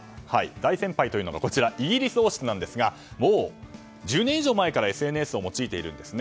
大先輩というのがイギリス王室なんですがもう１０年以上前からＳＮＳを用いているんです。